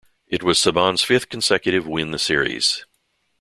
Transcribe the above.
It was Saban's fifth consecutive win the series.